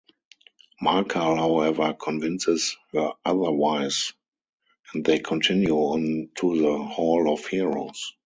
Markal, however, convinces her otherwise and they continue on to the Hall of Heroes.